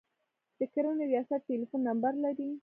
د کرنې ریاست ټلیفون نمبر لرئ؟